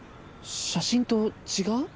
写真と違う？